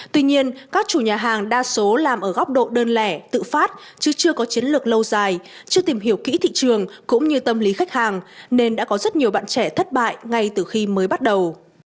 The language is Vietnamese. tuy nhiên các chủ nhà hàng đa số làm ở góc độ đơn lẻ tự phát chứ chưa có chiến lược lâu dài chưa tìm hiểu kỹ thị trường cũng như tâm lý khách hàng nên đã có rất nhiều bạn trẻ thất bại ngay từ khi mới bắt đầu